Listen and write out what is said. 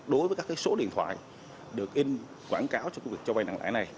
đối với các số điện thoại được in quảng cáo cho việc cho vai nặng lãi này